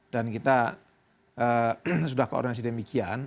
dan kita sudah koordinasi demikian